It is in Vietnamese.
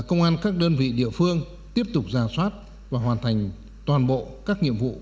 công an các đơn vị địa phương tiếp tục giả soát và hoàn thành toàn bộ các nhiệm vụ